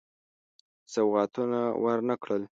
سوغاتونه ورنه کړل.